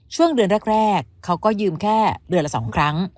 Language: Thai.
ช่วงเดือนแรกเขาก็ยืมแค่เดือนละ๒ครั้ง